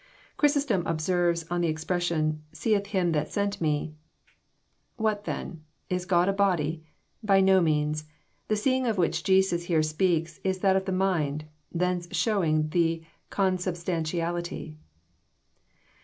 Chrysostom observes on the expression *' seeth Him that sent me," —" What then? Is God a body? By no means. The see ing of which Jesus here speaks is that of the mind, thence show ing the consubstantiality.